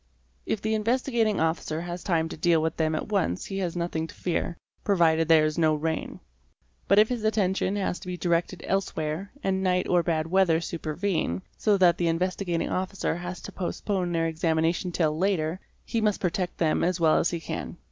If the Investigating Officer has time to deal with them at once he has nothing to fear, provided there is no rain. But if his attention has to be directed elsewhere and night or bad weather supervene, so that the Investigating Officer has to postpone their examin ation till later, he must protect them as well as he can.